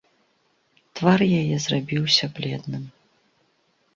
Твар яе зрабіўся бледным.